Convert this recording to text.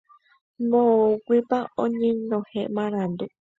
Moõguipa oñenohẽ marandu.